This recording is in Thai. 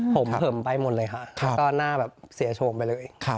ผมเผิมไปหมดเลยค่ะแล้วก็หน้าแบบเสียโฉมไปเลย